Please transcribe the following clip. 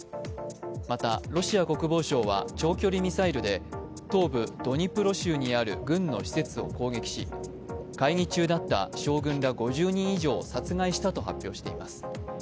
また、ロシア国防省は長距離ミサイルで東部ドニプロ州にある軍の施設を攻撃し、会議中だった将軍ら５０人以上を殺害したと発表しています。